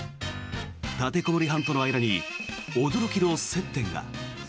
立てこもり犯との間に驚きの接点が。